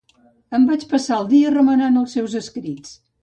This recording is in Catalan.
Em vaig passar el dia remenant els seus escrits.